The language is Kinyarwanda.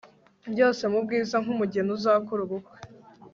Byose mubwiza nkumugeniuzakora ubukwe